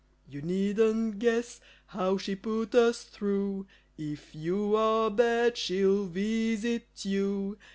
You needn't guess how she put us through. If you are bad, she'll visit you.